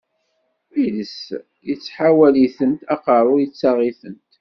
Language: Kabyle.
Iles ittḥawal-itent, aqeṛṛu ittaɣ-itent.